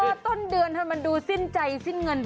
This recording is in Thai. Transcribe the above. หรือว่าต้นเดือนมันดูซิ้นใจซิ้นเงิน